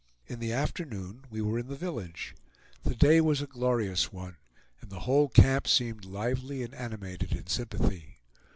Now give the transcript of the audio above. In the afternoon we were in the village. The day was a glorious one, and the whole camp seemed lively and animated in sympathy.